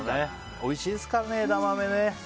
おいしいですからね、枝豆ね。